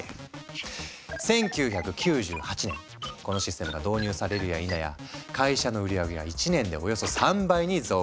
１９９８年このシステムが導入されるやいなや会社の売上げは１年でおよそ３倍に増加。